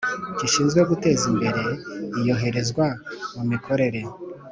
Gishinzwe guteza imbere Iyoherezwa mu mikorere